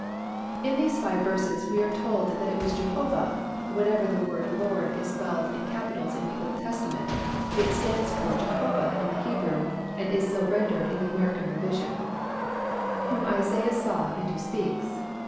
In verse five we are told that it was Jehovah (whenever the word LORD is spelled in capitals in the Old Testament, it stands for Jehovah in the Hebrew and is so rendered in the American Revision) whom Isaiah saw and who speaks.